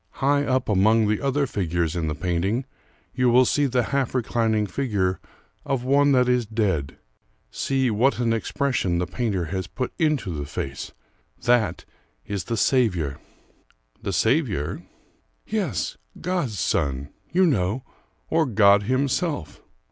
High up among the other figures in the painting you will see the half reclining figure of one that is dead see what an expression the painter has put into the face! That is the Saviour." "The Saviour?" "Yes, God's son, you know; or God Himself."